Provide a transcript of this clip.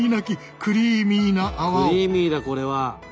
クリーミーだこれは。